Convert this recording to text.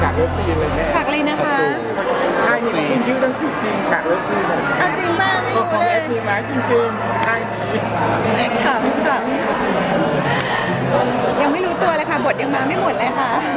อย่างไม่รู้ตัวเลยกลับให้กำลังมาบทยังไม่หมดเลย